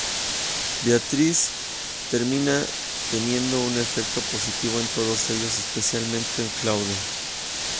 Beatrice termina teniendo un efecto positivo en todos ellos, especialmente en Claude.